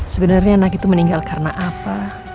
sebenarnya anak itu meninggal karena apa